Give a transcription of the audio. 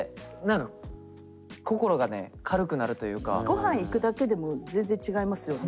ごはん行くだけでも全然違いますよね。